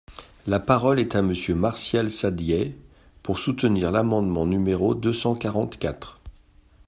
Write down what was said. La parole est à Monsieur Martial Saddier, pour soutenir l’amendement numéro deux cent quarante-quatre.